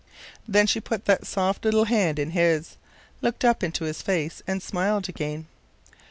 Then she put that soft little hand in his, looked up into his face, and smiled again.